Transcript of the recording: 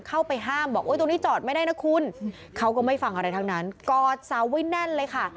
เข้าไปห้ามบอกโอ้ยตรงนี้จอดไม่ได้นะคุณเขาก็ไม่ฟังอะไรทั้งนั้นกอดเสาไว้แน่นเลยค่ะ